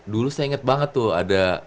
dulu saya ingat banget tuh ada